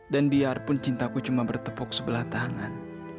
dan biarpun cintaku cuma bertepuk sebelah tangan